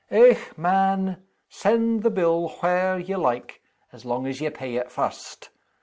"Eh, man! send the bill whar' ye like, as long as ye pay it first.